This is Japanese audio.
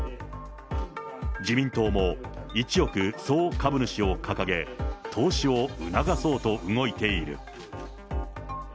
自民党も一億総株主を掲げ、投資を促そうと動いている。